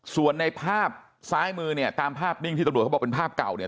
ส่วนในภาพซ้ายมือเนี่ยตามภาพนิ่งที่ตำรวจเขาบอกเป็นภาพเก่าเนี่ย